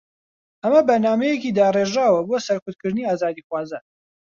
ئەمە بەرنامەیەکی داڕێژراوە بۆ سەرکوتکردنی ئازادیخوازان